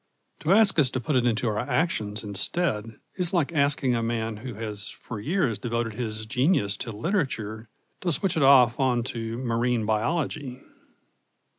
To ask us to put it into our actions instead is like asking a man who has for years devoted his genius to literature to switch it off on to marine biology.